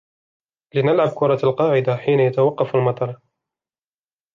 لنلعب كرة القاعدة حين يتوقف المطر.